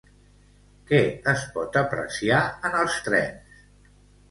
Què es pot apreciar en els trens?